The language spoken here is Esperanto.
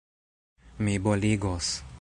Mi boligos!